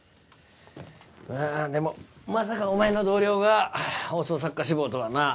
まあでもまさかお前の同僚が放送作家志望とはな。